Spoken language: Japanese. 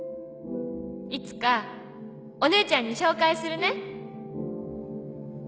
「いつかお姉ちゃんに紹介するね」